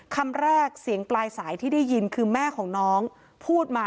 คำแรกเสียงปลายสายที่ได้ยินคือแม่ของน้องพูดมา